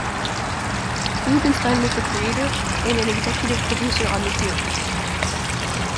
Rubenstein was the Creator and an Executive Producer on the series.